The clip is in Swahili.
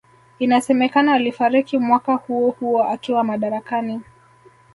Inasemekana alifariki mwaka huohuo akiwa madarakani